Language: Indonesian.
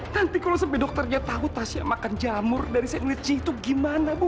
nanti kalau sampai dokternya tahu tasya makan jamur dari saya ngelici itu gimana bu